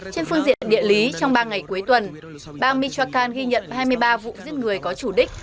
trên phương diện địa lý trong ba ngày cuối tuần bang michakan ghi nhận hai mươi ba vụ giết người có chủ đích